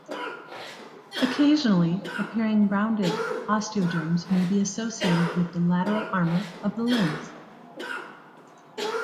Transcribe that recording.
Occasionally appearing rounded osteoderms may be associated with the lateral armor of the limbs.